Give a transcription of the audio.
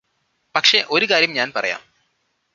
പക്ഷേ ഒരു കാര്യം ഞാന് പറയാം